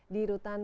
di rutan kpk